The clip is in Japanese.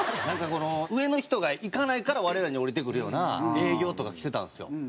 なんかこの上の人が行かないから我々に下りてくるような営業とかきてたんですよ。